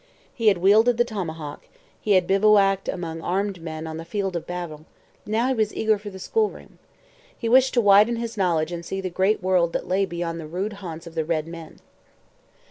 He had wielded the tomahawk; he had bivouacked among armed men on the field of battle: now he was eager for the schoolroom. He wished to widen his knowledge and to see the great world that lay beyond the rude haunts of the red men.